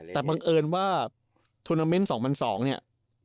แต่บังเอิญว่าทวนเตอร์เบนท์๒๐๐๒เนี่ย